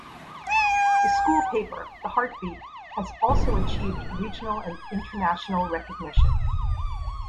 The school paper, The Heart Beat, has also achieved regional and international recognition.